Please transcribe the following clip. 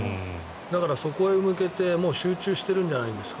だからそこへ向けて集中しているんじゃないですか。